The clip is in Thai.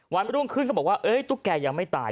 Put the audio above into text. วันรุ่งขึ้นเขาบอกว่าตุ๊กแกยังไม่ตาย